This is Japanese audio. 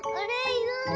いない。